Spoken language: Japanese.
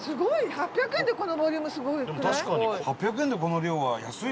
８００円でこのボリュームすごくない？